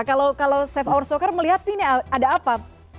kalau safe hour soccer melihat ini ada apa